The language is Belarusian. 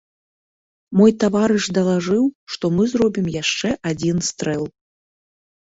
Мой таварыш далажыў, што мы зробім яшчэ адзін стрэл.